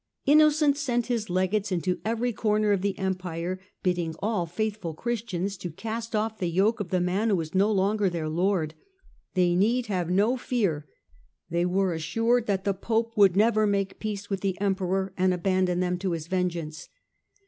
Innocent sent his Legates into every corner of the Empire, bidding all faithful Christians to cast off the yoke of the man who was no longer their Lord. They need have no fear, they were assured, that the Pope would ever make peace with the Emperor and abandon them to his vengeance.